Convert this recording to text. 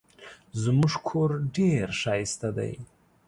زموږ کور ډېر ښایسته دی.